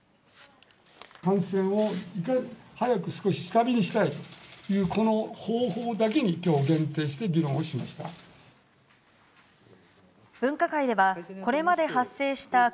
感染を早く少し下火にしたいというこの方法だけにきょう、限定して議論をしました。